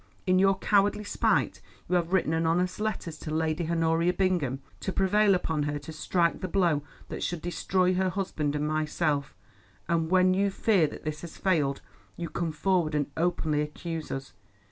In your cowardly spite you have written anonymous letters to Lady Honoria Bingham, to prevail upon her to strike the blow that should destroy her husband and myself, and when you fear that this has failed, you come forward and openly accuse us.